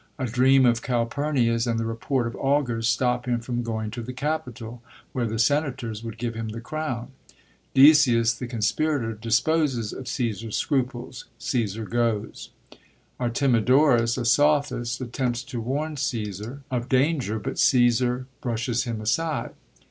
A dream of Calphumia's and the report of augurs stop him from going to the Capitol, where the senators would give him the crown. Decius, the conspirator, disposes of CsBsar's scruples; CsBsar goes. Artemidorus, a sophist^ attempts to warn Csosar of danger, but Csssar brushes him aside.